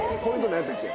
何やったっけ。